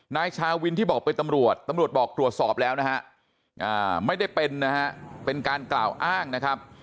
นายชาวินที่บอกเป็นตำรวจตำรวจบอกตรวจสอบแล้วนะฮะไม่ได้เป็นนะฮะเป็นการกล่าวอ้างนะครับ